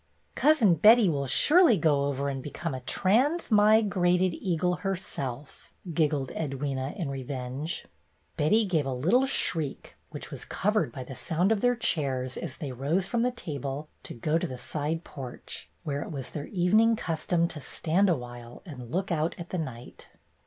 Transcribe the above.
"Cousin Betty will surely go over and be come a trans mi grated eagle herself," giggled Edwyna, in revenge. Betty gave a little shriek, which was cov ered by the sound of their chairs as they rose from the table to go to the side porch, where it was their evening custom to stand a while and look out at the night.